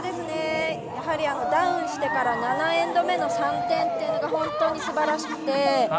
やはりダウンしてから７エンド目の３点というのが本当にすばらしくて。